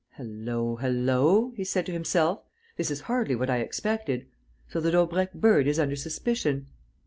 "Hullo, hullo!" he said to himself. "This is hardly what I expected. So the Daubrecq bird is under suspicion?"